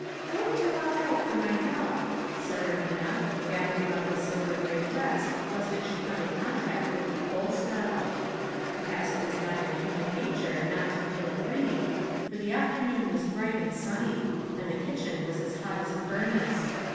'* Going to walk out for my heal'th," said Er mina, gathering up the silver gray dress lest it should come in contact with the coal scuttle. Perhaps it was not in human nature not to feel aggrieved, for the afternoon was bright and sunny, and the kitchen was as hot as a furnace.